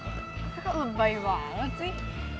kok lebay banget sih